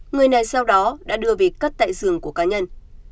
người này sau đó đã đưa về cất tại giường của cá nhân